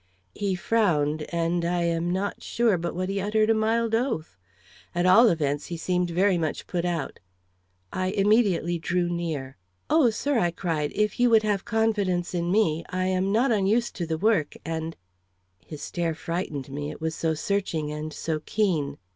He frowned, and I am not sure but what he uttered a mild oath. At all events, he seemed very much put out. I immediately drew near. "Oh, sir," I cried, "if you would have confidence in me. I am not unused to the work, and " His stare frightened me, it was so searching and so keen.